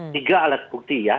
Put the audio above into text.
tiga alat bukti ya